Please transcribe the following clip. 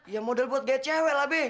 ya modal buat gaya cewe lah be